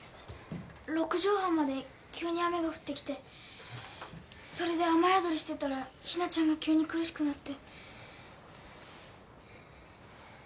ロクジョウ浜で急に雨が降ってきてそれで雨宿りしてたらひなちゃんが急に苦しくなって。